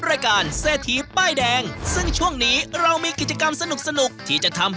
ไม่ต้องแล้วเซทีป้ายแดงวันนี้บอกเลยว่าอยากจะคืนกำไรให้กับแฟนทุกคนค่ะ